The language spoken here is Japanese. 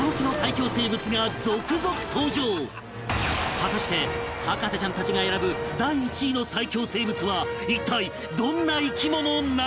果たして博士ちゃんたちが選ぶ第１位の最恐生物は一体どんな生き物なのか？